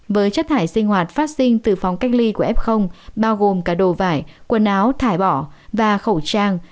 với chất thải sinh hoạt phát sinh từ phòng cách ly của f bao gồm cả đồ vải quần áo thải bỏ và khẩu trang